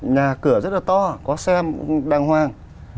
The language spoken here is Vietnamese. nhà cửa rất là to có xem đàng hoàng